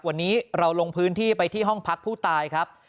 วันนี้เราลงพื้นที่ไปที่ห้องพักผู้ตายครับ